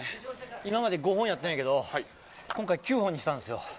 今まで５本やったんやけど今回、９本にしたんですよ。